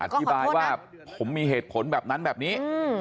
อธิบายว่าผมมีเหตุผลแบบนั้นแบบนี้